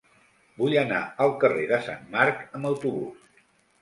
Vull anar al carrer de Sant Marc amb autobús.